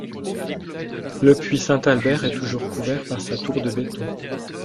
Le puits Saint-Albert est toujours couvert par sa tour de béton.